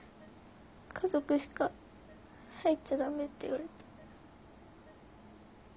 家族しか入っちゃ駄目って言われて。